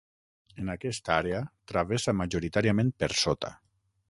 En aquesta àrea, travessa majoritàriament per sota.